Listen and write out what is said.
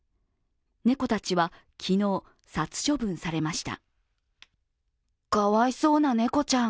猫たちは昨日殺処分されました。